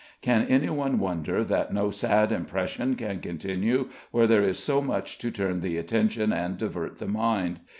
Can any one wonder that no sad impression can continue where there is so much to turn the attention and divert the mind?